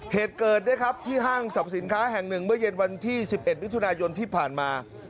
เหตุเกิดนะครับที่ห้างสรรพสินค้าแห่งหนึ่งเมื่อเย็นวันที่๑๑มิถุนายนที่ผ่านมา